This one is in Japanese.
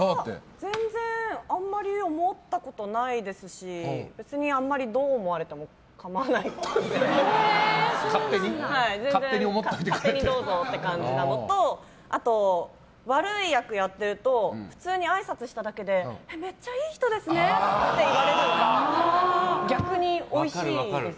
全然、あんまり思ったことないですし別にあまりどう思われても構わないって感じで勝手にどうぞって感じなのとあと悪い役をやってると普通にあいさつしただけでめっちゃいい人ですねって言われるのが逆においしいです。